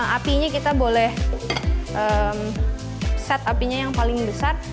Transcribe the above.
apinya kita boleh set apinya yang paling besar